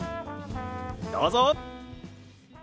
どうぞ！